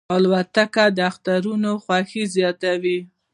الوتکه د اخترونو خوښي زیاتوي.